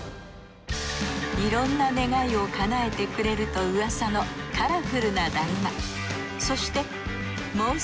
いろんな願いをかなえてくれるとうわさのカラフルなだるま。